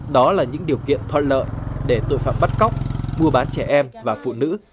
đó là những điều kiện thuận lợi để tội phạm bắt cóc mua bán trẻ em và phụ nữ